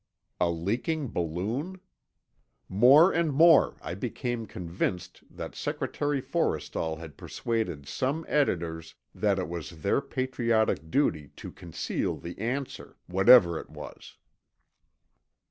A leaking balloon? More and more, I became convinced that Secretary Forrestal had persuaded some editors that it was their patriotic duty to conceal the answer, whatever it was.